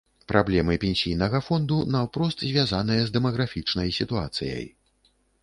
Праблемы пенсійнага фонду наўпрост звязаныя з дэмаграфічнай сітуацыяй.